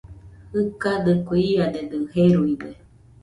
Jɨkadɨkue, iadedɨ jeruide